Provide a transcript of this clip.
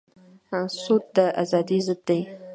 سود د ازادۍ ضد دی.